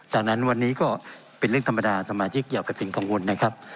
ดังนั้นวันนี้ก็เป็นเรื่องธรรมดาสมาชิกอย่ากระติกกังวลนะครับ